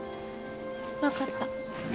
わかった。